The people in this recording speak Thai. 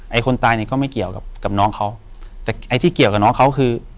คนตายนี่ก็ไม่เกี่ยวกับกับน้องเขาแต่ไอ้ที่เกี่ยวกับน้องเขาคือ